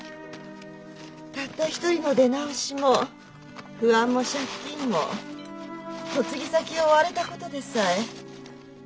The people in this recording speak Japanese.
たった一人の出直しも不安も借金も嫁ぎ先を追われた事でさえみんな私のものだと。